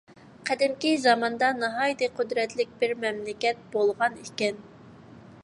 قەدىمكى زاماندا ناھايىتى قۇدرەتلىك بىر مەملىكەت بولغان ئىكەن.